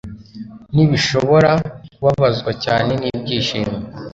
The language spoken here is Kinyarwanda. Nibishobora kubabazwa cyane nibyishimo